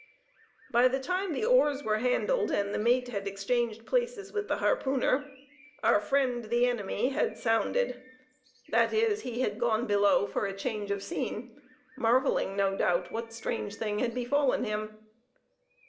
By the time the oars were handled, and the mate had exchanged places with the harpooner, our friend the enemy had "sounded"; that is, he had gone below for a change of scene, marvelling no doubt what strange thing had befallen him.